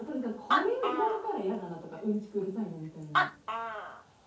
これは言われたらいやだなとかうんちくうるさいなみたいな。